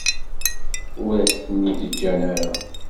Ur ak-ten-id-ǧǧan ara.